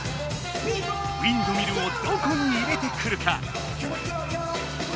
ウインドミルをどこに入れてくるか。